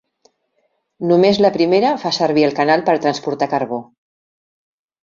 Només la primera fa servir el canal per transportar carbó.